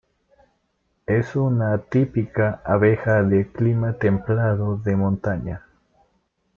Es una típica abeja de clima templado de montaña.